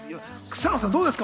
草野さん、どうですか？